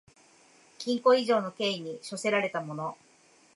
禁錮以上の刑に処せられた者